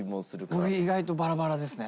僕意外とバラバラですね。